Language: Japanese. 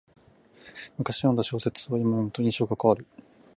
むかし読んだ小説をいま読むと印象が変わる